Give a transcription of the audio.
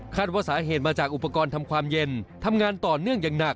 ว่าสาเหตุมาจากอุปกรณ์ทำความเย็นทำงานต่อเนื่องอย่างหนัก